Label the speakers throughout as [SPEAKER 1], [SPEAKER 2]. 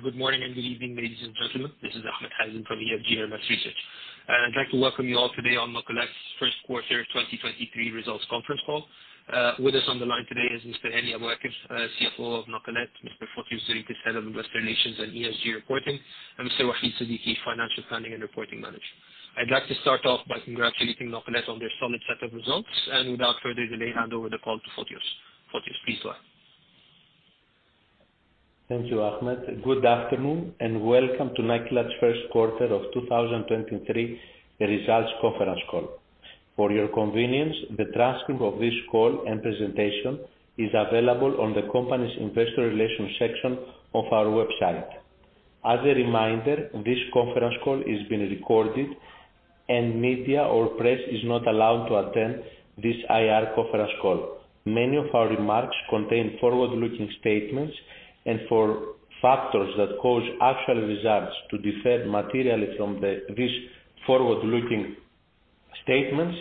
[SPEAKER 1] Good morning and good evening, ladies and gentlemen. This is Ahmed Hazem from EFG Hermes Research. I'd like to welcome you all today on Nakilat's first quarter 2023 results conference call. With us on the line today is Mr. Hani Abuaker, CFO of Nakilat, Mr. Fotios Zeritis, Head of Investor Relations & ESG Reporting, and Mr. Waheed Siddiqi, Financial Planning and Reporting Manager. I'd like to start off by congratulating Nakilat on their solid set of results. Without further delay, hand over the call to Fotios. Fotios, please go ahead.
[SPEAKER 2] Thank you, Ahmed. Good afternoon and welcome to Nakilat's 1st quarter of 2023 results conference call. For your convenience, the transcript of this call and presentation is available on the company's investor relations section of our website. As a reminder, this conference call is being recorded and media or press is not allowed to attend this IR conference call. Many of our remarks contain forward-looking statements and for factors that cause actual results to differ materially from this forward-looking statements,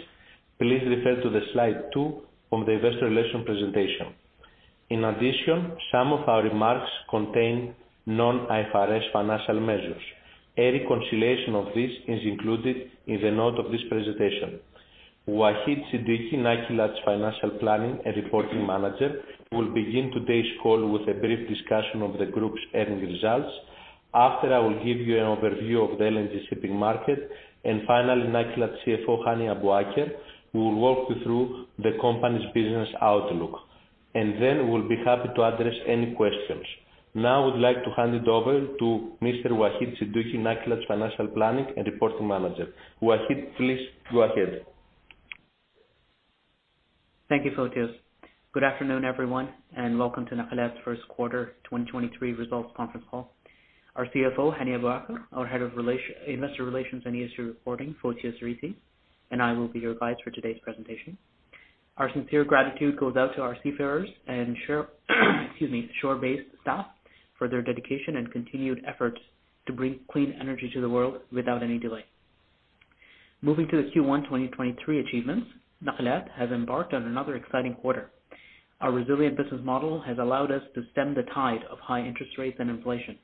[SPEAKER 2] please refer to slide two from the investor relations presentation. In addition, some of our remarks contain non-IFRS financial measures. A reconciliation of this is included in the note of this presentation. Waheed Siddiqi, Nakilat's Financial Planning and Reporting Manager, will begin today's call with a brief discussion of the group's earning results. After, I will give you an overview of the LNG shipping market. Finally, Nakilat CFO Hani Abuaker will walk you through the company's business outlook. Then we'll be happy to address any questions. Now, I would like to hand it over to Mr. Waheed Siddiqi, Nakilat's Financial Planning and Reporting Manager. Waheed, please go ahead.
[SPEAKER 3] Thank you, Fotios. Good afternoon, everyone, and welcome to Nakilat's first quarter 2023 results conference call. Our CFO, Hani Abuaker, our Head of Investor Relations and ESG Reporting, Fotios Zeritis, and I will be your guides for today's presentation. Our sincere gratitude goes out to our seafarers and shore-based staff for their dedication and continued efforts to bring clean energy to the world without any delay. Moving to the Q1 2023 achievements, Nakilat has embarked on another exciting quarter. Our resilient business model has allowed us to stem the tide of high interest rates and inflation.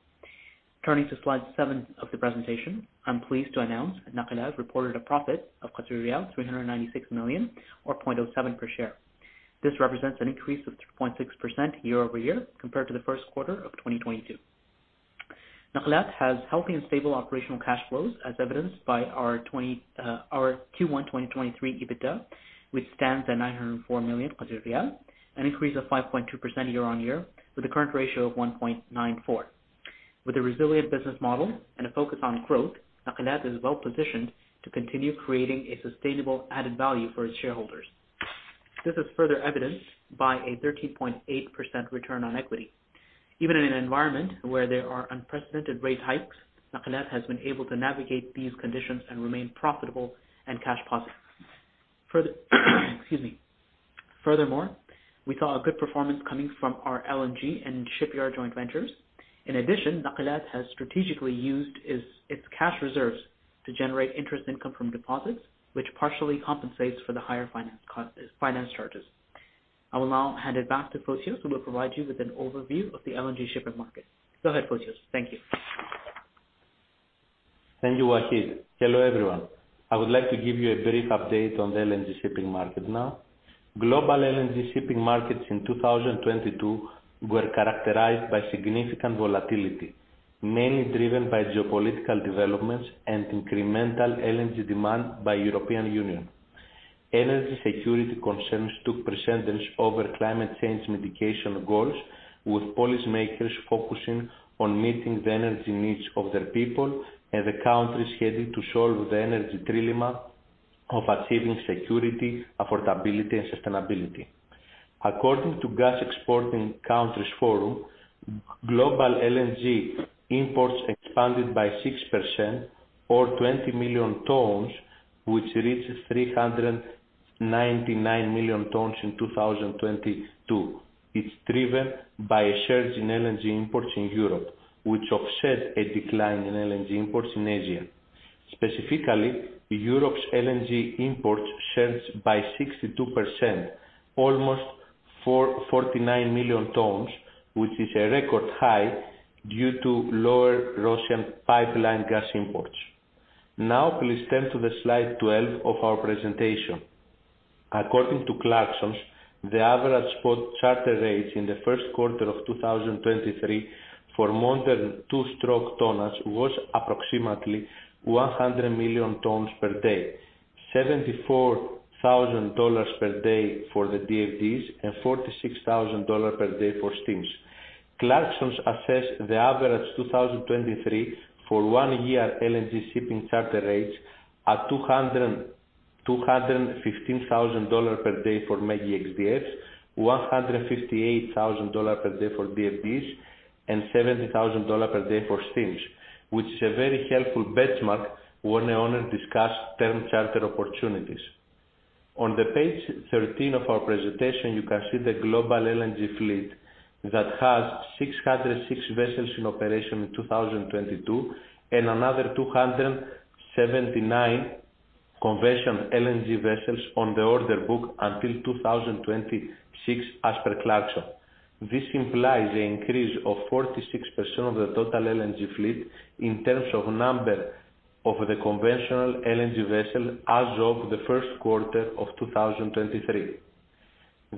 [SPEAKER 3] Turning to slide seven of the presentation, I'm pleased to announce that Nakilat reported a profit of 396 million or 0.07 per share. This represents an increase of 3.6% year-over-year compared to the first quarter of 2022. Nakilat has healthy and stable operational cash flows as evidenced by our Q1 2023 EBITDA, which stands at 904 million riyal, an increase of 5.2% year-on-year with a current ratio of 1.94. With a resilient business model and a focus on growth, Nakilat is well-positioned to continue creating a sustainable added value for its shareholders. This is further evidenced by a 13.8% return on equity. Even in an environment where there are unprecedented rate hikes, Nakilat has been able to navigate these conditions and remain profitable and cash positive. Furthermore, we saw a good performance coming from our LNG and shipyard joint ventures. In addition, Nakilat has strategically used its cash reserves to generate interest income from deposits, which partially compensates for the higher finance charges. I will now hand it back to Fotios, who will provide you with an overview of the LNG shipping market. Go ahead, Fotios. Thank you.
[SPEAKER 2] Thank you, Waheed. Hello, everyone. I would like to give you a brief update on the LNG shipping market now. Global LNG shipping markets in 2022 were characterized by significant volatility, mainly driven by geopolitical developments and incremental LNG demand by European Union. Energy security concerns took precedence over climate change mitigation goals, with policymakers focusing on meeting the energy needs of their people and the countries heading to solve the energy trilemma of achieving security, affordability, and sustainability. According to Gas Exporting Countries Forum, global LNG imports expanded by 6% or 20 million tons, which reached 399 million tons in 2022. It's driven by a surge in LNG imports in Europe, which offset a decline in LNG imports in Asia. Specifically, Europe's LNG imports surged by 62%, almost 49 million tons, which is a record high due to lower Russian pipeline gas imports. Please turn to the slide 12 of our presentation. According to Clarksons, the average spot charter rates in the first quarter of 2023 for modern two-stroke tonnage was approximately 100 million tons per day, $74,000 per day for the DFDEs, and $46,000 per day for Steams. Clarksons assess the average 2023 for one year LNG shipping charter rates at $215,000 per day for mega X-DFs, $158,000 per day for DFDEs, and $70,000 per day for Steams, which is a very helpful benchmark when a owner discuss term charter opportunities. On the page 13 of our presentation, you can see the global LNG fleet that has 606 vessels in operation in 2022 and another 279 LNG vessels on the order book until 2026 as per Clarkson. This implies an increase of 46% of the total LNG fleet in terms of number of the conventional LNG vessel as of the first quarter of 2023.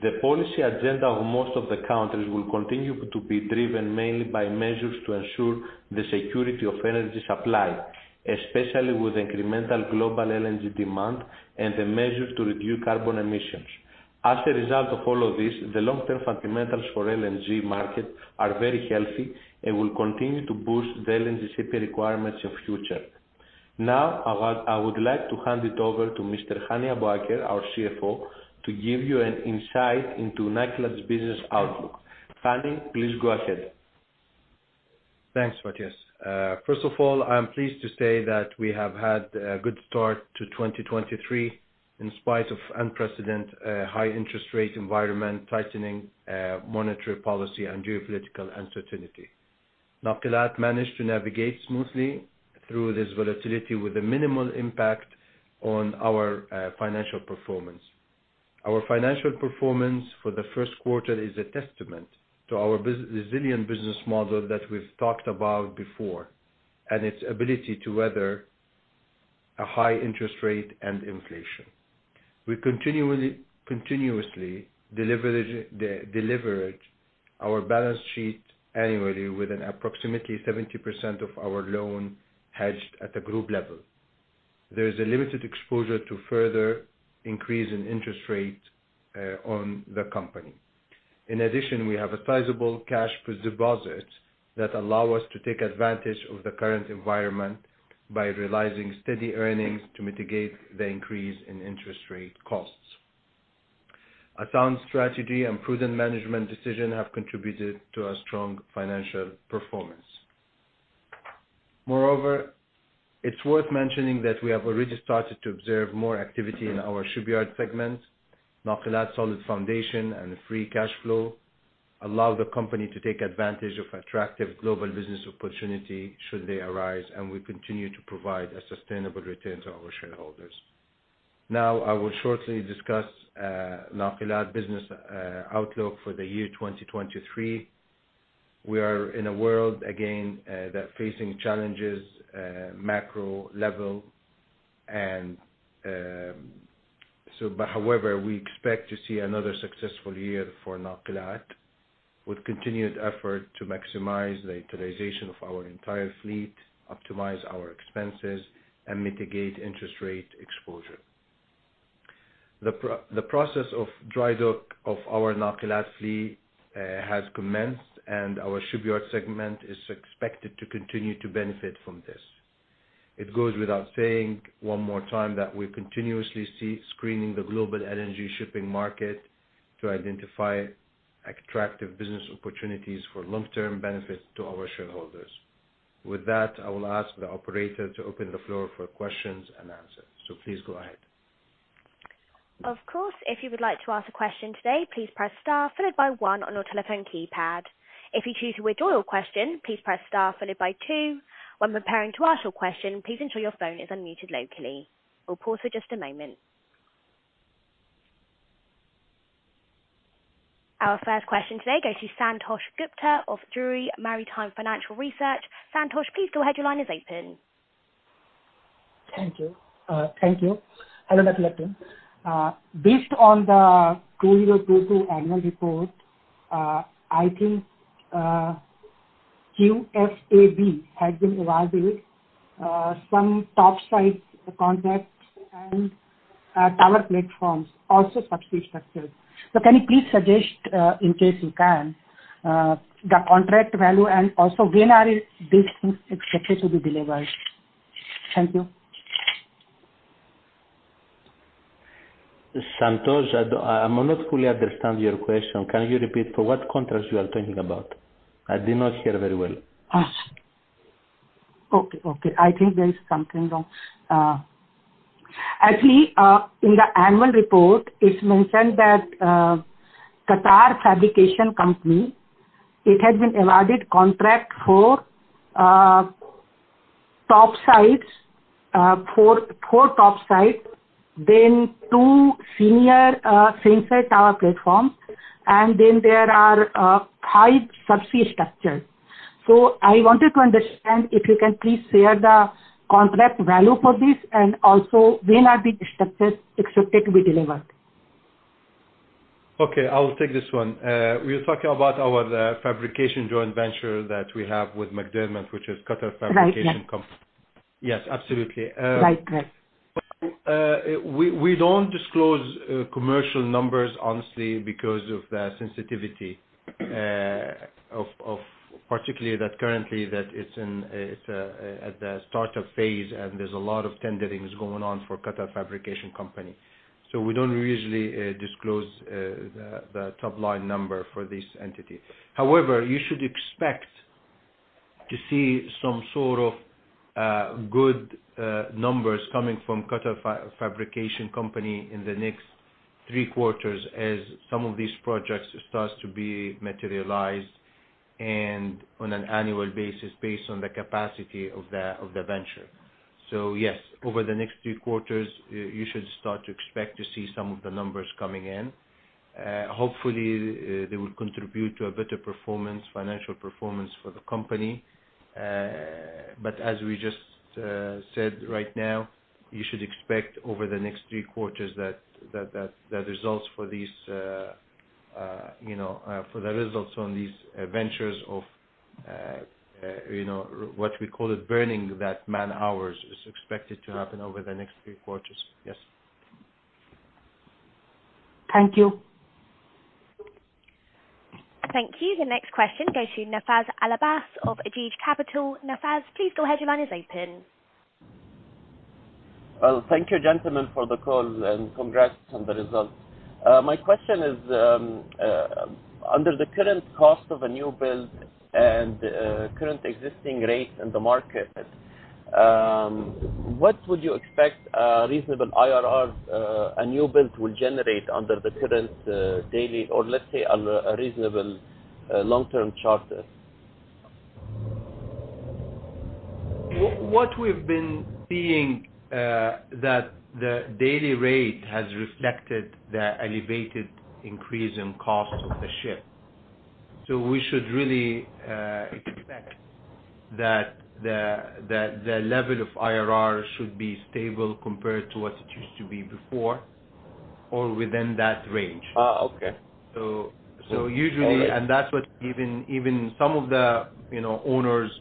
[SPEAKER 2] The policy agenda of most of the countries will continue to be driven mainly by measures to ensure the security of energy supply, especially with incremental global LNG demand and the measure to reduce carbon emissions. As a result of all of this, the long-term fundamentals for LNG market are very healthy and will continue to boost the LNG shipping requirements of future. Now, I would like to hand it over to Mr. Hani Abuaker, our CFO, to give you an insight into Nakilat's business outlook. Hani, please go ahead.
[SPEAKER 4] Thanks, Fotios. First of all, I am pleased to say that we have had a good start to 2023 in spite of unprecedented high interest rate environment, tightening monetary policy and geopolitical uncertainty. Nakilat managed to navigate smoothly through this volatility with a minimal impact on our financial performance. Our financial performance for the first quarter is a testament to our resilient business model that we've talked about before and its ability to weather a high interest rate and inflation. We continuously delivered our balance sheet annually with an approximately 70% of our loan hedged at the group level. There is a limited exposure to further increase in interest rate on the company. In addition, we have a sizable cash reserves that allow us to take advantage of the current environment by realizing steady earnings to mitigate the increase in interest rate costs. A sound strategy and prudent management decision have contributed to our strong financial performance. Moreover, it's worth mentioning that we have already started to observe more activity in our shipyard segment. Nakilat solid foundation and free cash flow allow the company to take advantage of attractive global business opportunity should they arise, and we continue to provide a sustainable return to our shareholders. Now, I will shortly discuss Nakilat business outlook for the year 2023. We are in a world again, that facing challenges, macro level and, however, we expect to see another successful year for Nakilat with continued effort to maximize the utilization of our entire fleet, optimize our expenses and mitigate interest rate exposure. The process of dry dock of our Nakilat fleet has commenced and our shipyard segment is expected to continue to benefit from this. It goes without saying one more time that we continuously see screening the global LNG shipping market to identify attractive business opportunities for long term benefit to our shareholders. With that, I will ask the operator to open the floor for questions and answers. Please go ahead.
[SPEAKER 5] Of course. If you would like to ask a question today, please press star followed by one on your telephone keypad. If you choose to withdraw your question, please press star followed by two. When preparing to ask your question, please ensure your phone is unmuted locally. We'll pause for just a moment. Our first question today goes to Santosh Gupta of Drewry Maritime Financial Research. Santosh, please go ahead. Your line is open.
[SPEAKER 6] Thank you. Thank you. Hello, Nakilat team. Based on the 2022 annual report, I think QFAB has been awarded some topsides contracts and tower platforms, also subsea structures. Can you please suggest, in case you can, the contract value and also when are these things expected to be delivered? Thank you.
[SPEAKER 4] Santosh, I not fully understand your question. Can you repeat for what contracts you are talking about? I did not hear very well.
[SPEAKER 6] Okay, okay. I think there is something wrong. Actually, in the annual report, it's mentioned that Qatar Fabrication Company, it has been awarded contract for topsides, four topsides, then two sensor tower platforms, and then there are five subsea structures. I wanted to understand if you can please share the contract value for this and also when are these structures expected to be delivered?
[SPEAKER 4] Okay, I will take this one. We are talking about our fabrication joint venture that we have with McDermott which is Qatar Fabrication.
[SPEAKER 6] Right. Yes.
[SPEAKER 4] Yes, absolutely.
[SPEAKER 6] Right. Yes.
[SPEAKER 4] We don't disclose commercial numbers honestly, because of the sensitivity of particularly that currently that it's in, it's at the start-up phase, and there's a lot of tendering is going on for Qatar Fabrication Company. We don't usually disclose the top line number for this entity. However, you should expect to see some sort of good numbers coming from Qatar Fabrication Company in the next three quarters as some of these projects starts to be materialized. On an annual basis based on the capacity of the venture. Yes, over the next three quarters, you should start to expect to see some of the numbers coming in. Hopefully, they will contribute to a better performance, financial performance for the company. As we just said right now, you should expect over the next three quarters that the results for these, you know, for the results on these ventures of, you know, what we call it burning that man-hours is expected to happen over the next three quarters. Yes.
[SPEAKER 6] Thank you.
[SPEAKER 5] Thank you. The next question goes to Nafez Al Abbas of Ajeej Capital. Nafez, please go ahead. Your line is open.
[SPEAKER 7] Thank you gentlemen for the call and congrats on the results. My question is, under the current cost of a new build and current existing rate in the market, what would you expect a reasonable IRR a new build will generate under the current daily or let's say under a reasonable long-term charter?
[SPEAKER 4] What we've been seeing, that the daily rate has reflected the elevated increase in cost of the ship. We should really expect that the level of IRR should be stable compared to what it used to be before or within that range.
[SPEAKER 7] okay.
[SPEAKER 4] So, so usually-
[SPEAKER 7] All right.
[SPEAKER 4] That's what even some of the, you know, owners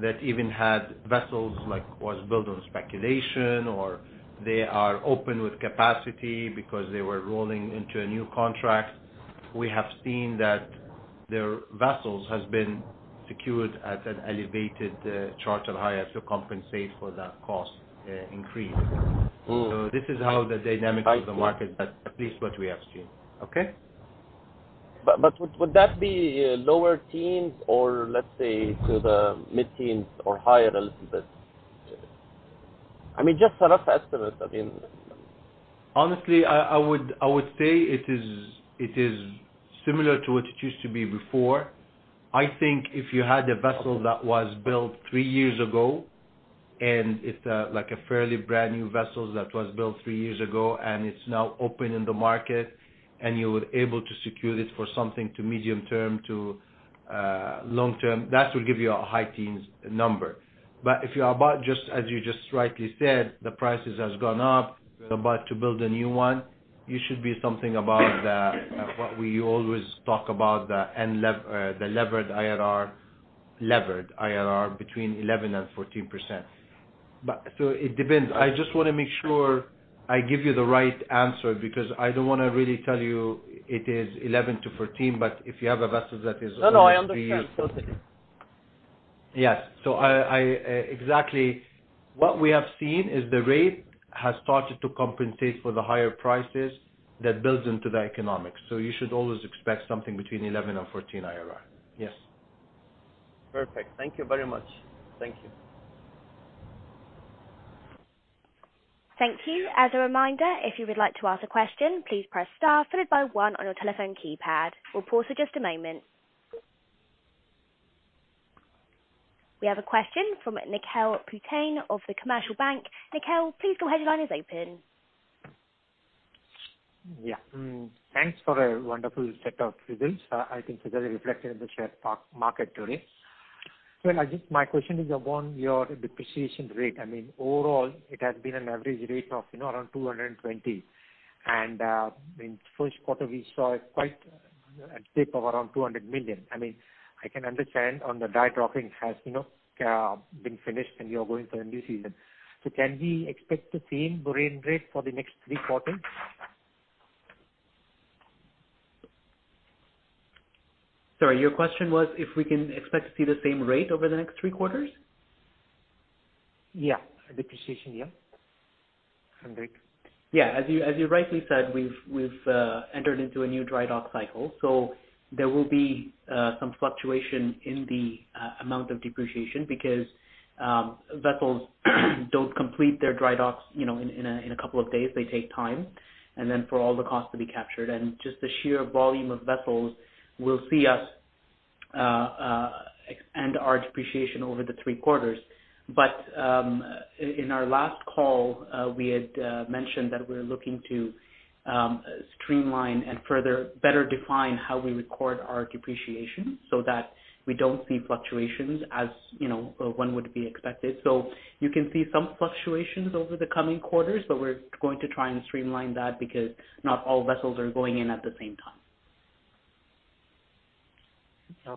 [SPEAKER 4] that even had vessels like was built on speculation or they are open with capacity because they were rolling into a new contract, we have seen that their vessels has been secured at an elevated charter hire to compensate for that cost increase.
[SPEAKER 7] Mm.
[SPEAKER 4] This is how the dynamic of the market.
[SPEAKER 7] I see.
[SPEAKER 4] At least what we have seen. Okay?
[SPEAKER 7] Would that be lower teens or let's say to the mid teens or higher a little bit? I mean, just a rough estimate, I mean.
[SPEAKER 4] Honestly, I would say it is similar to what it used to be before. I think if you had a vessel that was built three years ago, and it's like a fairly brand new vessels that was built three years ago, and it's now open in the market, and you were able to secure it for something to medium term to long term, that will give you a high teens number. If you are about, just as you just rightly said, the prices has gone up, about to build a new one, you should be something about the, what we always talk about the levered IRR between 11% and 14%. It depends. I just wanna make sure I give you the right answer because I don't wanna really tell you it is 11-14, but if you have a vessel that is only.
[SPEAKER 7] No, no, I understand. Totally.
[SPEAKER 4] Yes. I exactly what we have seen is the rate has started to compensate for the higher prices that builds into the economics. You should always expect something between 11 and 14 IRR. Yes.
[SPEAKER 7] Perfect. Thank you very much. Thank you.
[SPEAKER 5] Thank you. As a reminder, if you would like to ask a question, please press star followed by one on your telephone keypad. We'll pause for just a moment. We have a question from of The Commercial Bank., please go ahead. Your line is open.
[SPEAKER 8] Yeah. Thanks for a wonderful set of results. I think it has reflected in the share park, market today. My question is upon your depreciation rate. I mean, overall, it has been an average rate of, you know, around 220. In first quarter, we saw it quite at dip of around 200 million. I mean, I can understand on the dry docking has, you know, been finished and you're going for a new season. Can we expect the same range rate for the next three quarters?
[SPEAKER 4] Sorry. Your question was if we can expect to see the same rate over the next three quarters?
[SPEAKER 8] Yeah. Depreciation, yeah. QAR 100.
[SPEAKER 4] Yeah. As you rightly said, we've entered into a new dry dock cycle. There will be some fluctuation in the amount of depreciation because vessels don't complete their dry docks, you know, in a couple of days, they take time, and then for all the costs to be captured. Just the sheer volume of vessels will see us and our depreciation over the three quarters. In our last call, we had mentioned that we're looking to streamline and further better define how we record our depreciation so that we don't see fluctuations as, you know, one would be expected. You can see some fluctuations over the coming quarters, but we're going to try and streamline that because not all vessels are going in at the same time.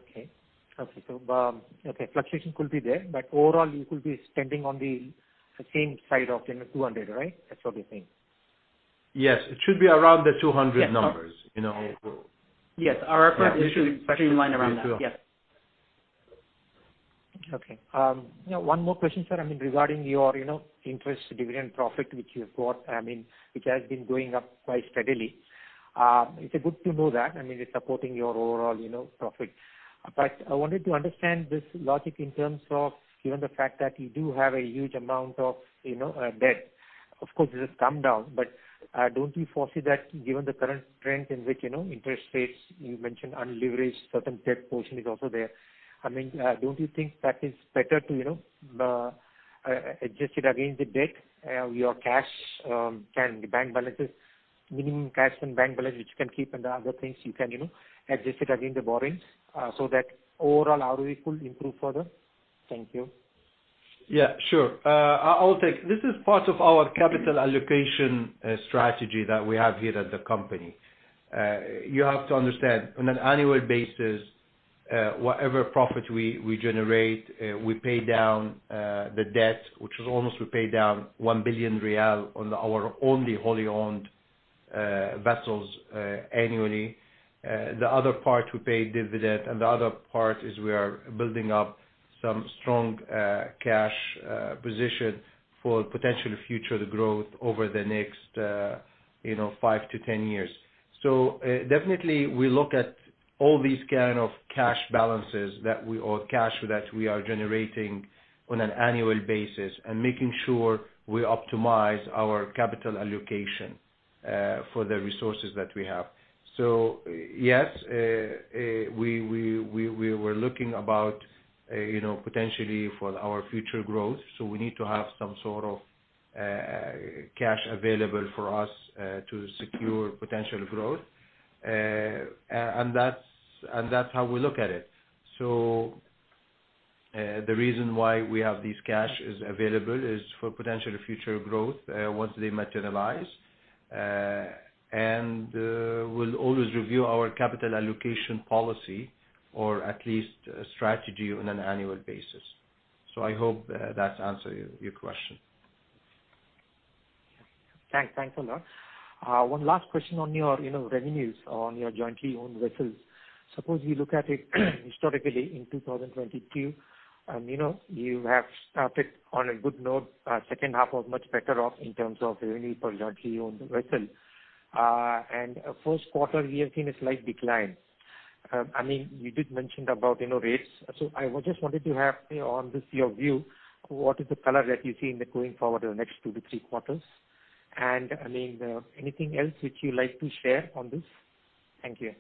[SPEAKER 8] Okay. Okay. Fluctuation could be there, but overall, you could be standing on the same side of, you know, 200, right? That's what you're saying.
[SPEAKER 4] Yes. It should be around the 200 numbers.
[SPEAKER 8] Yes.
[SPEAKER 4] You know?
[SPEAKER 8] Yes. Our plan is to streamline around that. Yes.
[SPEAKER 4] Me too.
[SPEAKER 8] Okay. One more question, sir. I mean, regarding your, you know, interest dividend profit which you've got, I mean, which has been going up quite steadily. It's good to know that, I mean, it's supporting your overall, you know, profit. I wanted to understand this logic in terms of given the fact that you do have a huge amount of, you know, debt. Of course, it has come down, but don't you foresee that given the current trend in which, you know, interest rates, you mentioned unleveraged, certain debt portion is also there. I mean, don't you think that it's better to, you know, adjust it against the debt, your cash, can... the bank balances, minimum cash and bank balance which you can keep and the other things you can, you know, adjust it against the borrowing, so that overall ROE could improve further? Thank you.
[SPEAKER 4] Yeah, sure. I'll take. This is part of our capital allocation strategy that we have here at the company. You have to understand, on an annual basis, whatever profit we generate, we pay down the debt, which is almost we pay down QAR 1 billion on our only wholly owned vessels annually. The other part we pay dividend, and the other part is we are building up some strong cash position for potential future growth over the next, you know, five to 10 years. Definitely we look at all these kind of cash balances that we or cash that we are generating on an annual basis and making sure we optimize our capital allocation for the resources that we have. Yes, we're looking about, you know, potentially for our future growth, so we need to have some sort of cash available for us to secure potential growth. That's how we look at it. The reason why we have this cash is available is for potential future growth once they materialize. We'll always review our capital allocation policy or at least strategy on an annual basis. I hope, that's answer your question.
[SPEAKER 8] Thanks. Thanks a lot. One last question on your, you know, revenues on your jointly owned vessels. Suppose you look at it historically in 2022, you know, you have started on a good note. Second half was much better off in terms of revenue for jointly owned vessels. First quarter we have seen a slight decline. I mean, you did mention about, you know, rates. I just wanted to have on this your view, what is the color that you see in the going forward the next two to three quarters? I mean, anything else which you'd like to share on this? Thank you.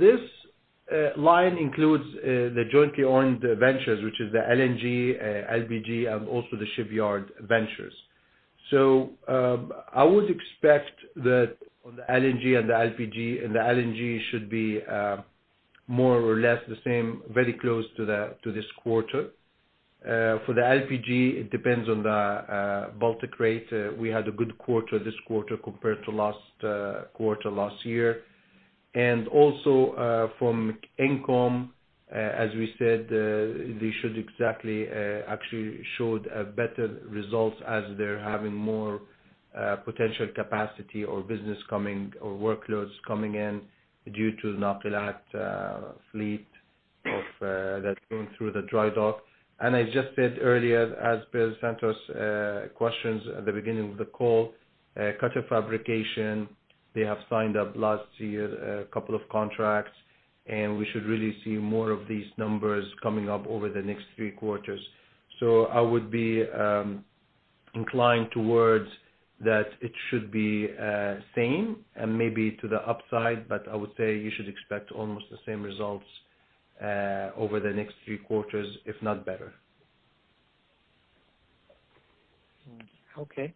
[SPEAKER 4] This line includes the jointly owned ventures, which is the LNG, LPG, and also the shipyard ventures. I would expect that on the LNG and the LPG, and the LNG should be more or less the same, very close to this quarter. For the LPG, it depends on the Baltic rate. We had a good quarter this quarter compared to last quarter last year. Also, from income, as we said, they should exactly actually showed a better results as they're having more potential capacity or business coming or workloads coming in due to Nakilat fleet of that's going through the dry dock. I just said earlier, as per Santosh, questions at the beginning of the call, Qatar Fabrication, they have signed up last year a couple of contracts, and we should really see more of these numbers coming up over the next three quarters. I would be inclined towards that it should be same and maybe to the upside, I would say you should expect almost the same results over the next three quarters, if not better.
[SPEAKER 8] Okay.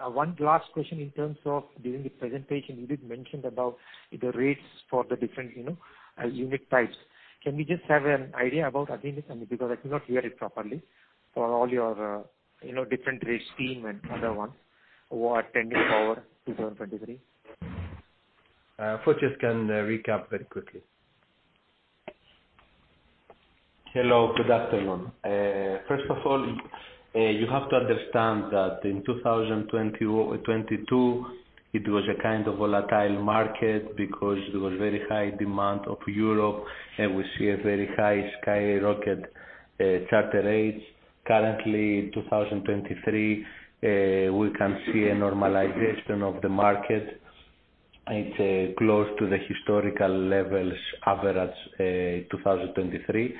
[SPEAKER 8] One last question in terms of during the presentation, you did mention about the rates for the different, you know, unit types. Can we just have an idea about again, I mean, because I could not hear it properly, for all your, you know, different rate team and other ones who are attending for 2023.
[SPEAKER 4] Fotios can recap very quickly.
[SPEAKER 2] Hello, good afternoon. First of all, you have to understand that in 2022, it was a kind of volatile market because it was very high demand of Europe, and we see a very high skyrocket charter rates. Currently, 2023, we can see a normalization of the market. It's close to the historical levels average, 2023.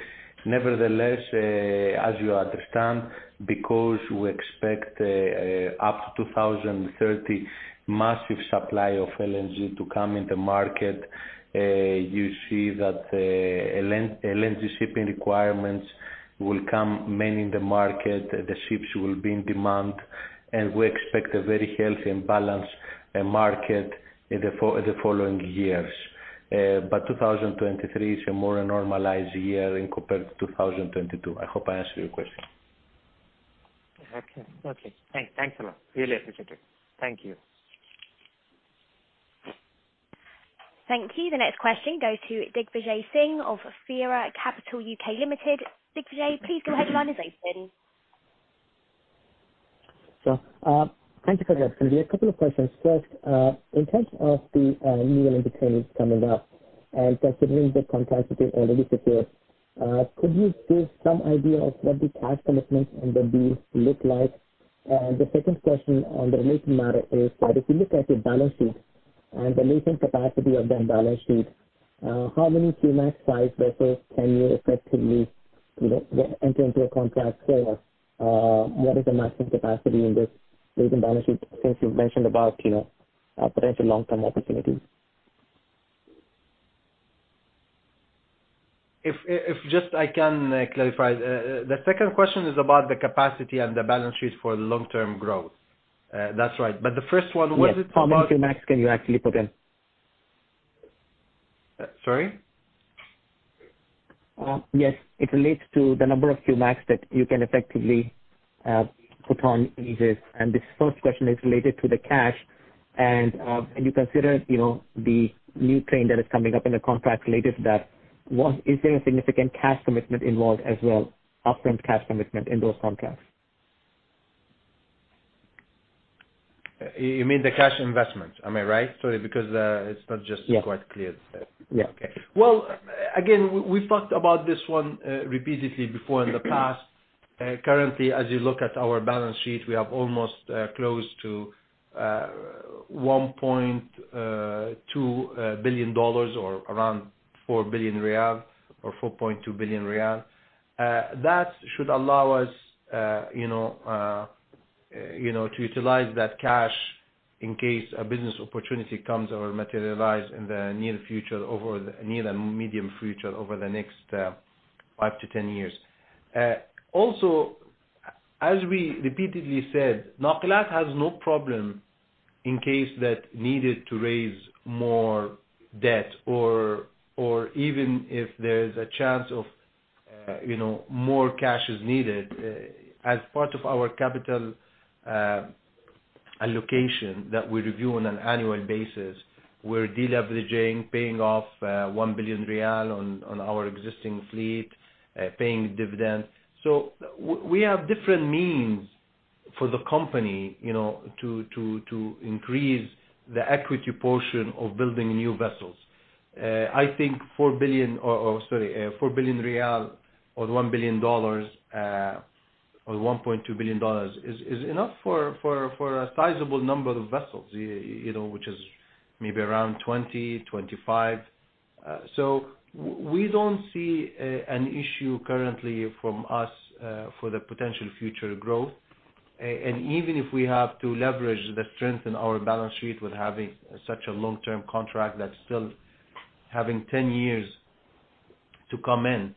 [SPEAKER 2] As you understand, because we expect up to 2030, massive supply of LNG to come in the market, you see that LNG shipping requirements will come mainly in the market, the ships will be in demand, and we expect a very healthy and balanced market in the following years. 2023 is a more normalized year in compared to 2022. I hope I answered your question.
[SPEAKER 8] Okay. Okay. Thanks. Thanks a lot. Really appreciate it. Thank you.
[SPEAKER 5] Thank you. The next question goes to Digvijay Singh of Fiera Capital (UK) Limited. Digvijay, please go ahead. Your line is open.
[SPEAKER 9] Sure. Thank you for the opportunity. A couple of questions. First, in terms of the, annual maintenance coming up, and considering the contracts with the ownership here, could you give some idea of what the cash commitments under these look like? The second question on the related matter is that if you look at your balance sheet. The recent capacity of the balance sheet, how many Q-Max size vessels can you effectively, you know, enter into a contract? What is the maximum capacity in this recent balance sheet since you've mentioned about, you know, potential long-term opportunities?
[SPEAKER 4] If just I can clarify. The second question is about the capacity and the balance sheets for long-term growth. That's right. The first one, was it about?
[SPEAKER 9] Yes. How many Q-Max can you actually put in?
[SPEAKER 4] Sorry?
[SPEAKER 9] yes. It relates to the number of Q-Max that you can effectively put on leases. This first question is related to the cash and you consider, you know, the new train that is coming up in the contract related to that. one, is there a significant cash commitment involved as well, upfront cash commitment in those contracts?
[SPEAKER 4] You mean the cash investment? Am I right? Sorry because, it's not
[SPEAKER 9] Yeah.
[SPEAKER 4] quite clear.
[SPEAKER 9] Yeah.
[SPEAKER 4] Okay. Well, again, we've talked about this one repeatedly before in the past. Currently, as you look at our balance sheet, we have almost close to $1.2 billion or around 4 billion or 4.2 billion. That should allow us, you know, to utilize that cash in case a business opportunity comes or materialize in the near future over the near and medium future over the next five to 10 years. Also, as we repeatedly said, Nakilat has no problem in case that needed to raise more debt or even if there's a chance of, you know, more cash is needed. As part of our capital allocation that we review on an annual basis, we're de-leveraging, paying off 1 billion riyal on our existing fleet, paying dividends. We have different means for the company, you know, to increase the equity portion of building new vessels. I think 4 billion or $1 billion or $1.2 billion is enough for a sizable number of vessels, you know, which is maybe around 20-25. We don't see an issue currently from us for the potential future growth. And even if we have to leverage the strength in our balance sheet with having such a long-term contract that's still having 10 years to come in,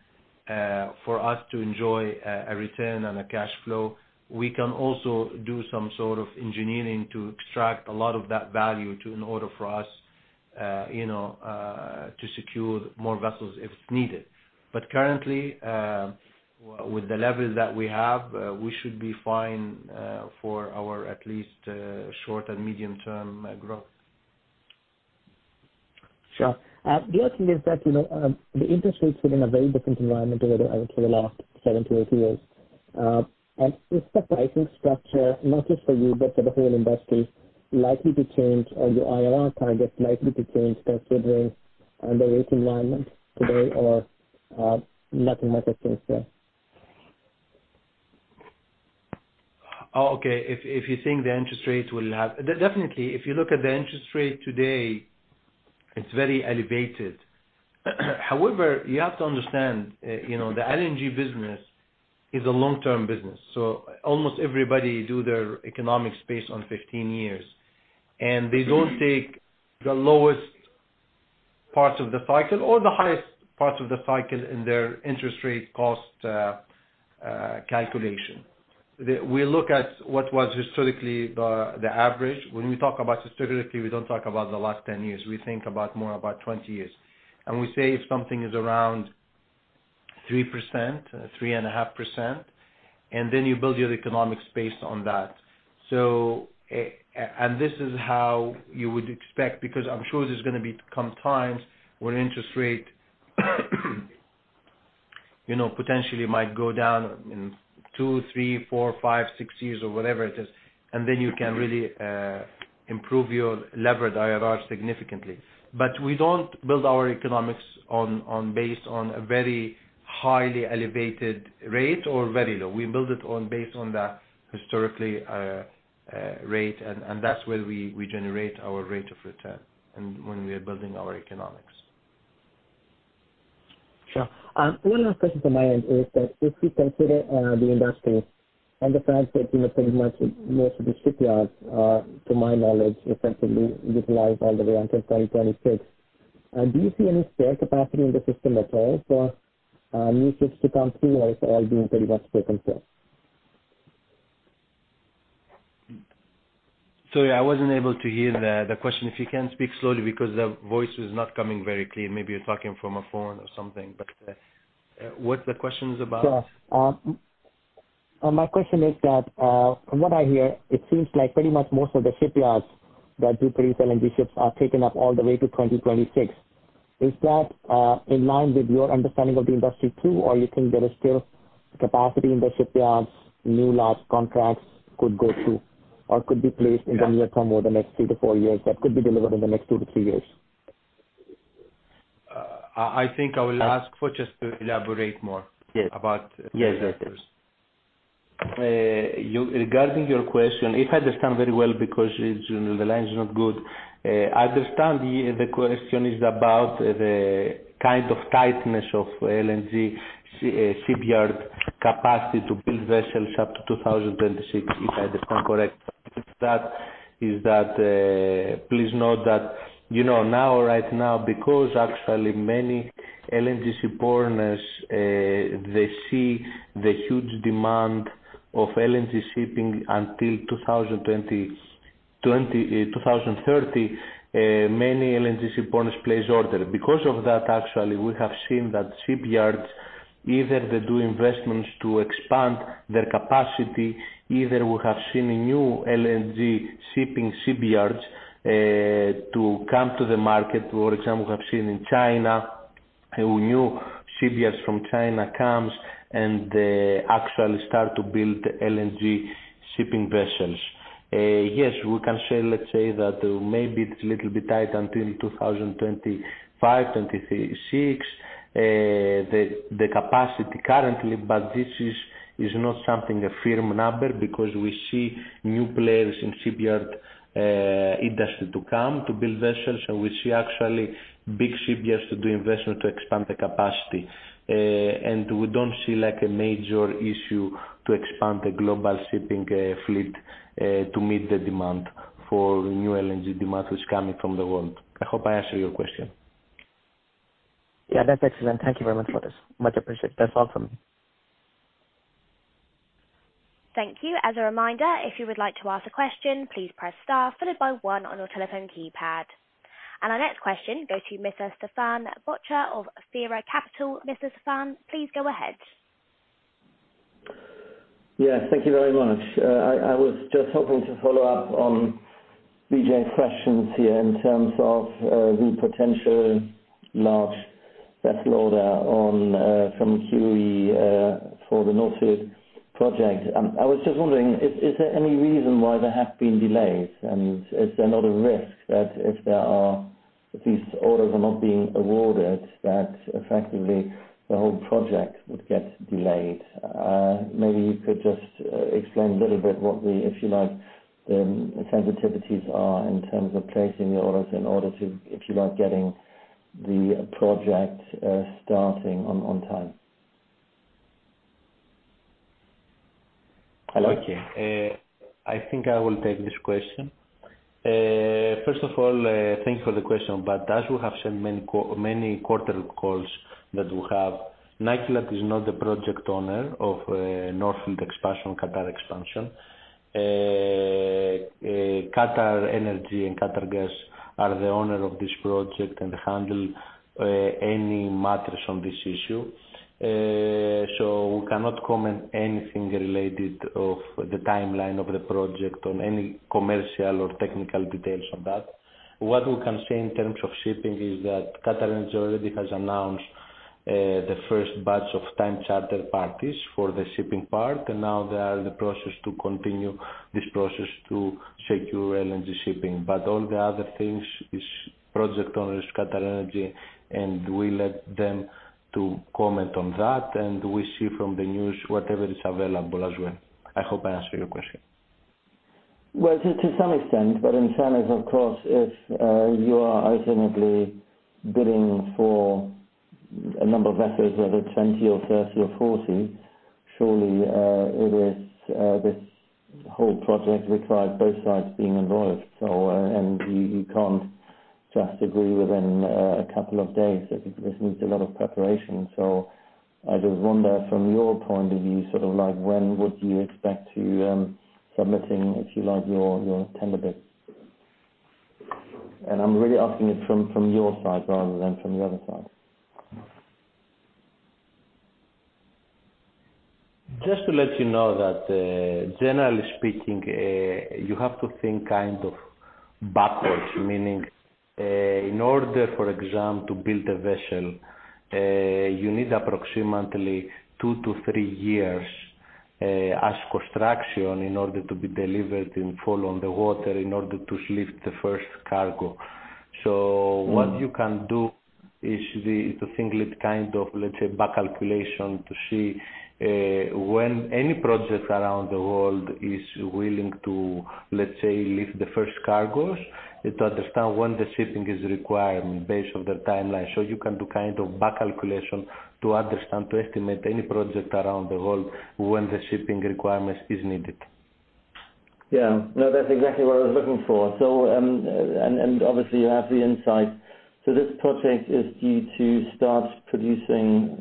[SPEAKER 4] for us to enjoy a return and a cash flow, we can also do some sort of engineering to extract a lot of that value to in order for us, you know, to secure more vessels if needed. Currently, with the levels that we have, we should be fine for our at least short and medium-term growth.
[SPEAKER 9] Sure. The other thing is that, you know, the interest rates have been a very different environment over the last 17 or two years. Is the pricing structure, not just for you but for the whole industry, likely to change or your IRR targets likely to change considering the rate environment today or not in my position?
[SPEAKER 4] Okay. If you think the interest rates will have... Definitely, if you look at the interest rate today, it's very elevated. However, you have to understand, you know, the LNG business is a long-term business, so almost everybody do their economics based on 15 years. They don't take the lowest parts of the cycle or the highest parts of the cycle in their interest rate cost calculation. We look at what was historically the average. When we talk about historically, we don't talk about the last 10 years, we think about more about 20 years. We say if something is around 3%, 3.5%, then you build your economics based on that. And this is how you would expect, because I'm sure there's gonna be come times where interest rate, you know, potentially might go down in two, three, four, five, six years or whatever it is, and then you can really improve your levered IRR significantly. We don't build our economics on based on a very highly elevated rate or very low. We build it on based on the historically rate, and that's where we generate our rate of return and when we are building our economics.
[SPEAKER 9] Sure. One last question from my end is that if we consider, the industry and the fact that, you know, pretty much most of the shipyards are, to my knowledge, effectively utilized all the way until 2026, do you see any spare capacity in the system at all for, new ships to come through, or it's all being pretty much taken care of?
[SPEAKER 4] Sorry, I wasn't able to hear the question. If you can speak slowly because the voice is not coming very clear. Maybe you're talking from a phone or something. What's the questions about?
[SPEAKER 9] Sure. My question is that, from what I hear, it seems like pretty much most of the shipyards that do pretty well in these ships are taken up all the way to 2026. Is that in line with your understanding of the industry too, or you think there is still capacity in the shipyards new large contracts could go to or could be placed in the near term over the next two to four years, that could be delivered in the next two to three years?
[SPEAKER 4] I think I will ask for just to elaborate more.
[SPEAKER 2] Yes.
[SPEAKER 4] -about
[SPEAKER 2] Yes, yes. You, regarding your question, if I understand very well because it's, you know, the line is not good. I understand the question is about the kind of tightness of LNG shipyard capacity to build vessels up to 2006, if I understand correct. Please note that, you know, now, right now, because actually many LNG shipowners, they see the huge demand of LNG shipping until 2020, 2030, many LNG shipowners place order. Because of that actually, we have seen that shipyards, either they do investments to expand their capacity, either we have seen new LNG shipping shipyards to come to the market. For example, we have seen in China, a new shipyards from China comes and actually start to build LNG shipping vessels. Yes, we can say, let's say that maybe it's a little bit tight until 2025,2026. The capacity currently, but this is not something a firm number because we see new players in shipyard industry to come to build vessels, and we see actually big shipyards to do investment to expand the capacity. We don't see like a major issue to expand the global shipping fleet to meet the demand for new LNG demand which is coming from the world. I hope I answered your question.
[SPEAKER 9] Yeah, that's excellent. Thank you very much for this. Much appreciated. That's all from me.
[SPEAKER 5] Thank you. As a reminder, if you would like to ask a question, please press star followed by 1 on your telephone keypad. Our next question goes to Mr. Stefan Böttcher of Fiera Capital. Mr. Stefan, please go ahead.
[SPEAKER 10] Yeah, thank you very much. I was just hoping to follow up on Vijay's questions here in terms of the potential large vessel order from QE for the North Field expansion project. I was just wondering if, is there any reason why there have been delays? And is there not a risk that if these orders are not being awarded, that effectively the whole project would get delayed? Maybe you could just explain a little bit what the, if you like, the sensitivities are in terms of placing the orders in order to, if you like, getting the project starting on time. Hello?
[SPEAKER 2] Okay. I think I will take this question. First of all, thank you for the question, but as you have seen many quarter calls that we have, Nakilat is not the project owner of North Field expansion, Qatar expansion. QatarEnergy and Qatar Gas are the owner of this project and handle any matters on this issue. We cannot comment anything related of the timeline of the project on any commercial or technical details on that. What we can say in terms of shipping is that QatarEnergy already has announced the first batch of Time Charter Parties for the shipping part, and now they are in the process to continue this process to secure LNG shipping. All the other things is project owners, QatarEnergy, and we let them to comment on that, and we see from the news whatever is available as well. I hope I answered your question.
[SPEAKER 10] Well, to some extent, but in fairness of course, if you are ultimately bidding for a number of vessels, whether 20 or 30 or 40, surely it is this whole project requires both sides being involved. You can't just agree within a couple of days. This needs a lot of preparation. I just wonder from your point of view, sort of like when would you expect to submitting, if you like, your tender bid? I'm really asking it from your side rather than from the other side.
[SPEAKER 2] Just to let you know that, generally speaking, you have to think kind of backwards, meaning, in order, for example, to build a vessel, you need approximately two to three years, as construction in order to be delivered in full on the water, in order to lift the first cargo.
[SPEAKER 10] Mm.
[SPEAKER 2] What you can do is to think it kind of let's say back calculation to see when any project around the world is willing to, let's say, lift the first cargos, and to understand when the shipping is required based on the timeline. You can do kind of back calculation to understand, to estimate any project around the world when the shipping requirement is needed.
[SPEAKER 10] Yeah. No, that's exactly what I was looking for. And obviously you have the insight. This project is due to start producing,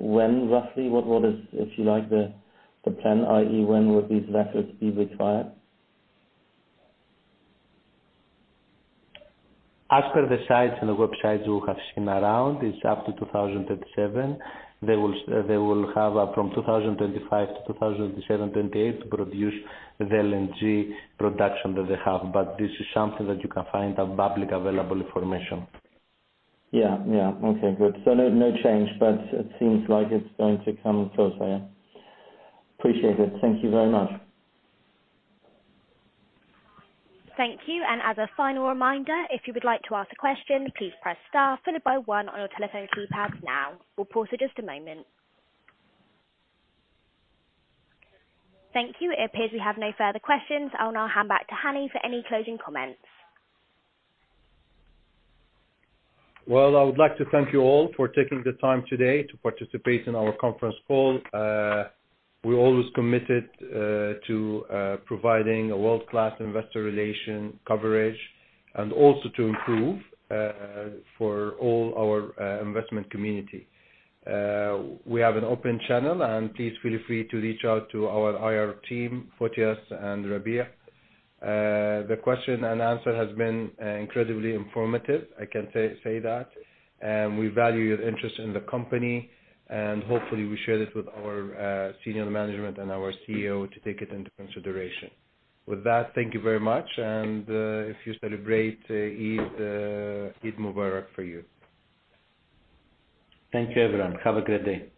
[SPEAKER 10] when roughly? What is, if you like, the plan, i.e., when would these vessels be required?
[SPEAKER 2] As per the sites and the websites we have seen around, it's up to 2007. They will have from 2025, 2027, 2028 to produce the LNG production that they have. This is something that you can find on public available information.
[SPEAKER 10] Yeah. Yeah. Okay, good. No, no change, but it seems like it's going to come closer, yeah. Appreciate it. Thank you very much.
[SPEAKER 5] Thank you. As a final reminder, if you would like to ask a question, please press star followed by one on your telephone keypad now. We'll pause for just a moment. Thank you. It appears we have no further questions. I'll now hand back to Hani for any closing comments.
[SPEAKER 4] Well, I would like to thank you all for taking the time today to participate in our conference call. We're always committed to providing a world-class investor relation coverage and also to improve for all our investment community. We have an open channel, and please feel free to reach out to our IR team, Fotios and Waheed. The question and answer has been incredibly informative. I can say that. We value your interest in the company, and hopefully we share this with our senior management and our CEO to take it into consideration. With that, thank you very much. And if you celebrate Eid Mubarak for you.
[SPEAKER 2] Thank you, everyone. Have a great day.